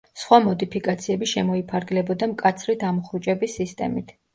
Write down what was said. სხვა მოდიფიკაციები შემოიფარგლებოდა მკაცრი დამუხრუჭების სისტემით.